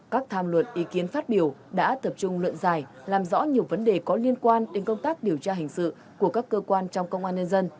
các tham luận ý kiến phát biểu đã tập trung luận dài làm rõ nhiều vấn đề có liên quan đến công tác điều tra hình sự của các cơ quan trong công an nhân dân